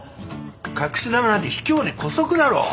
隠し球なんてひきょうで姑息だろ。